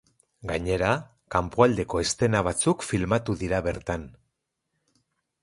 Gainera, kanpoaldeko eszena batzuk filmatu dira bertan.